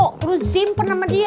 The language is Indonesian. terus simpen sama dia